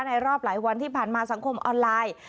รอบหลายวันที่ผ่านมาสังคมออนไลน์